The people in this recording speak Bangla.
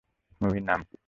মুভির নাম কী?